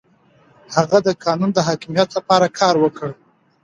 هغه د قانون د حاکميت لپاره کار وکړ.